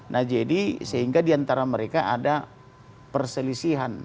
nah jadi sehingga diantara mereka ada perselisihan